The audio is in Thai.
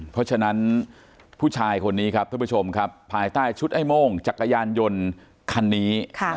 เพราะฉะนั้นผู้ชายคนนี้ครับท่านผู้ชมครับภายใต้ชุดไอ้โม่งจักรยานยนต์คันนี้